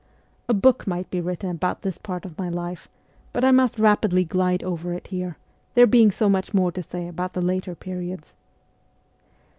A book might be written about this part of my life, but I must rapidly glide over it here, there being so much more to say about the later periods.